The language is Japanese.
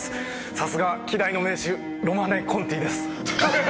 さすがは稀代の銘酒「ロマネ・コンティ」です！